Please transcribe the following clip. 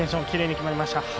キレイに決まりました。